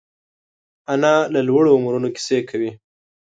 انا له لوړو عمرونو کیسې کوي